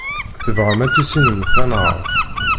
Tebɣamt ad tissinemt tanhaṛt.